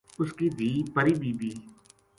اس کی دھِی پری بی بی